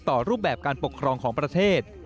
รูปแบบการปกครองของประเทศ